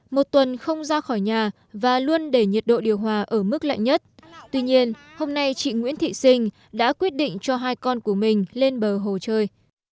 một tuần không ra khỏi nhà và luôn để nhiệt độ điều hòa ở mức lạnh nhất tuy nhiên hôm nay chị nguyễn thị sinh đã quyết định cho hai con của mình lên bờ hồ chơi